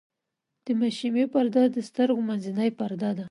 د مشیمیې پرده د سترګې منځنۍ پرده ده.